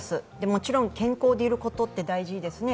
もちろん、健康でいることって大事ですね。